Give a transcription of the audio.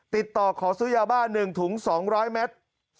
ติดต่อขอซื้อยาบ้า๑ถุง๒๐๐เมตร